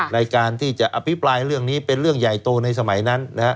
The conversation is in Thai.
ในการที่จะอภิปรายเรื่องนี้เป็นเรื่องใหญ่โตในสมัยนั้น